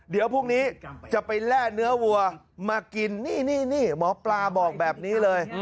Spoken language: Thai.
เดี๋ยวพรุ่งนี้จะไปแร่เนื้อวัวมากินนี่หมอปลาบอกแบบนี้เลย